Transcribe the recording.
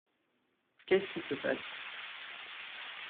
Qu’est-ce qui se passe ?